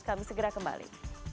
kami segera kembali